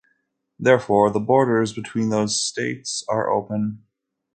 Therefore, the borders between those states are open.